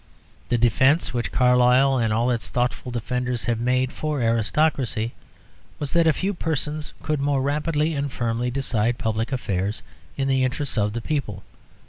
The defence which Carlyle and all its thoughtful defenders have made for aristocracy was that a few persons could more rapidly and firmly decide public affairs in the interests of the people.